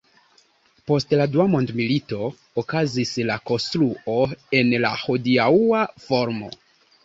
Post la Dua Mondmilito okazis la konstruo en la hodiaŭa formo.